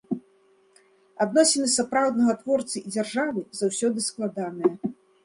Адносіны сапраўднага творцы і дзяржавы заўсёды складаныя.